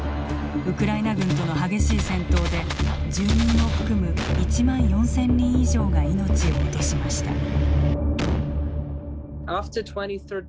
ウクライナ軍との激しい戦闘で住民を含む１万４，０００人以上が命を落としました。